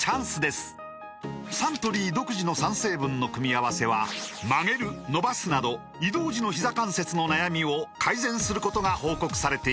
サントリー独自の３成分の組み合わせは曲げる伸ばすなど移動時のひざ関節の悩みを改善することが報告されています